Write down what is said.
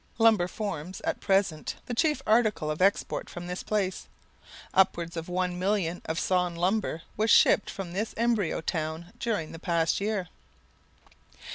Lumber forms, at present, the chief article of export from this place. Upwards of one million of sawn lumber was shipped from this embryo town during the past year.